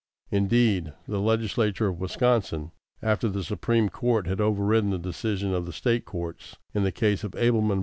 Indeed, the legislature of Wisconsin, after the Supreme Court had overridden the decision of the State courts in the case of Ableman v.